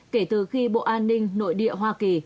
kể từ khi bộ an ninh nội địa hoa kỳ